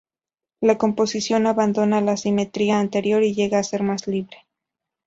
La composición abandona la simetría anterior y llega a ser más libre.